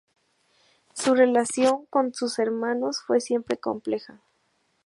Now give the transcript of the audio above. Su relación con sus hermanos fue siempre compleja.